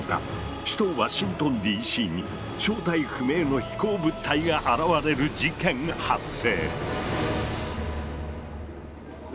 首都ワシントンＤ．Ｃ．に正体不明の飛行物体が現れる事件発生！